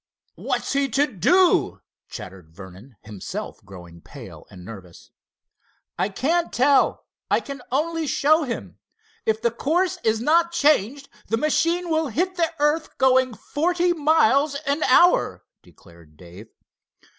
"What's he to do?" chattered Vernon, himself growing pale and nerveless. "I can't tell—I can only show him. If the course is not changed, the machine will hit the earth going forty miles an hour," declared Dave.